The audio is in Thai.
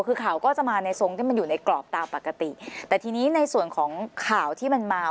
คือข่าวก็จะมาในทรงที่มันอยู่ในกรอบตามปกติแต่ทีนี้ในส่วนของข่าวที่มันมา